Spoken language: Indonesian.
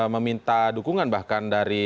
meminta dukungan bahkan dari